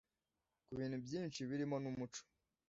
ku bintu byinshi birimo n’umuco.